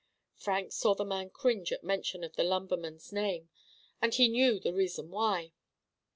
Frank saw the man cringe at mention of the lumberman's name, and he knew the reason why.